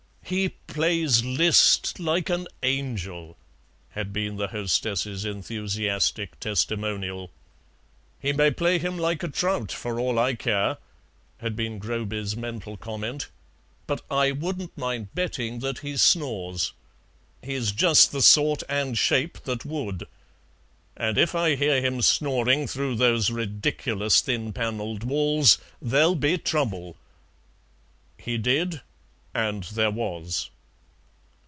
"He plays Liszt like an angel," had been the hostess's enthusiastic testimonial. "He may play him like a trout for all I care," had been Groby's mental comment, "but I wouldn't mind betting that he snores. He's just the sort and shape that would. And if I hear him snoring through those ridiculous thin panelled walls, there'll be trouble." He did, and there was.